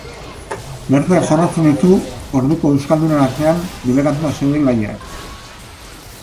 Bertan jorratzen ditu orduko euskaldunen artean debekatuta zeuden gaiak.